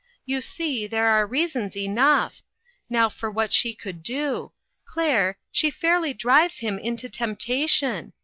You see there are reasons enough. Now for what she could do. Claire, she fairly drives him into temptation.